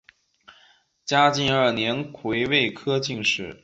嘉靖二年癸未科进士。